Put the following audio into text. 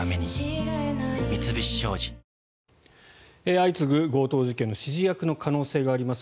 相次ぐ強盗事件の指示役の可能性があります